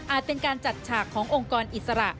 เป็นการจัดฉากขององค์กรอิสระ